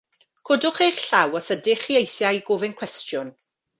Codwch eich llaw os ydych chi eisiau gofyn cwestiwn.